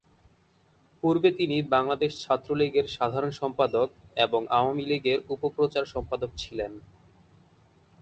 পূর্বে তিনি বাংলাদেশ ছাত্রলীগের সাধারণ সম্পাদক এবং আওয়ামী লীগের উপ-প্রচার সম্পাদক ছিলেন।